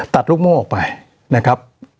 ลูกโม่ออกไปนะครับ